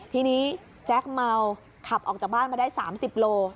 ทีนี้แจ๊คเมาขับออกจากบ้านมาได้๓๐โล